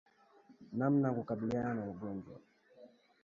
Namna ya kukabiliana na ugonjwa